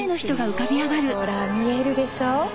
ほら見えるでしょ？